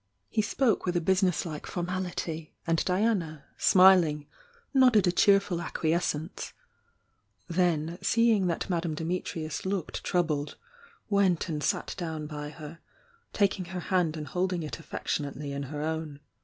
He spoke with a busines^e formality, and Di ana, snuling, nodded a cheerful acquiescence, — then seeing that Madame Dimitrius looked troubled, went and sat down by her, taking her hand and hold ing it affectionately in her own.